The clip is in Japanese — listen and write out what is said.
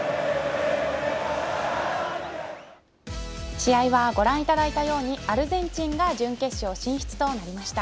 試合はご覧いただいたようにアルゼンチンが準決勝進出となりました。